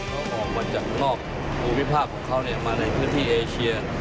มันจะออกมาจากนอกธุรกิจภาพของเขามาในพื้นที่เอเชีย